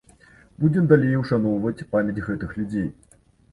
Будзем далей ушаноўваць памяць гэтых людзей.